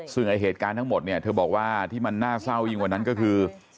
ซึ่งไอ้เหตุการณ์ทั้งหมดเนี่ยเธอบอกว่าที่มันน่าเศร้ายิ่งกว่านั้นก็คือ